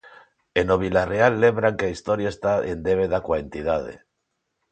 E no Vilarreal lembran que a historia está en débeda coa entidade.